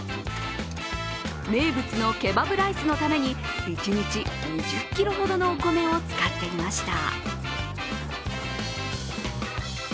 名物のケバブライスのために一日２０ｋｇほどのお米を使っていました。